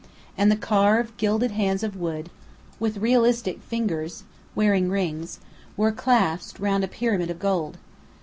And the carved, gilded hands of wood, with realistic fingers wearing rings, were clasped round a pyramid of gold.